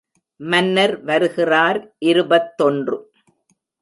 மன்னர் வருகிறார் இருபத்தொன்று.